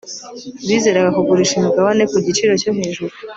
bizeraga kugurisha imigabane ku giciro cyo hejuru